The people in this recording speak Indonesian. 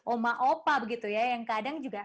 oma opa begitu ya yang kadang juga